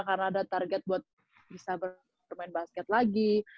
karena ada target buat bisa bermain basket lagi